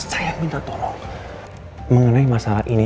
saya minta tolong mengenai masalah ini